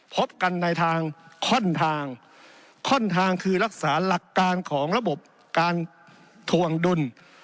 พบกันในทางค่อนทางค่อนทางคือรักษาหลักการของระบบการถวงดุล